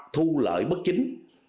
thu lợi bất chính